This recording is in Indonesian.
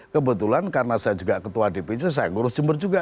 kebetulan karena saya juga ketua dpc saya ngurus jember juga